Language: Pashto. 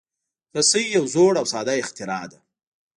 رسۍ یو زوړ او ساده اختراع ده.